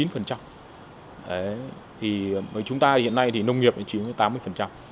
với chúng ta hiện nay thì nông nghiệp chiếm tám mươi